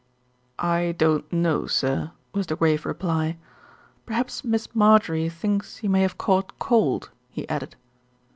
"I don't know, sir," was the grave reply. "Perhaps Miss Marjorie thinks you may have caught cold," he added.